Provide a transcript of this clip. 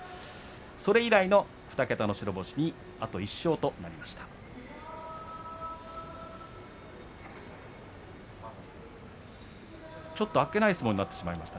それ以来の２桁の白星にあと１勝となりました。